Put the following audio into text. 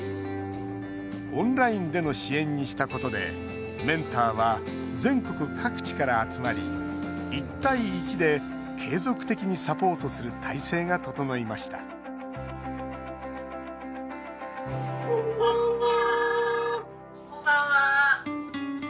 オンラインでの支援にしたことでメンターは、全国各地から集まり１対１で継続的にサポートする体制が整いましたこんばんは。